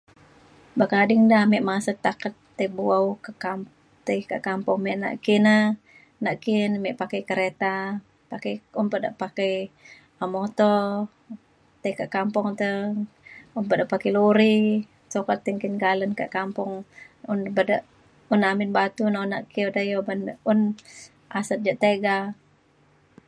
buk ading da ake masat taket tai bu’au ke kam- tai ke kampung me nak ki na nak ki na me pakai kereta pakai un pa da pakai um muto tai kak kampung te un pa da pakai lori sukat ti nggin kalen kak kampung un be de un amin batu un ake odai obak de yak un asat je tiga